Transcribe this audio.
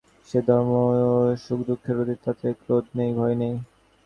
সে ধর্ম সুখদুঃখের অতীত– তাতে ক্রোধ নেই, ভয় নেই।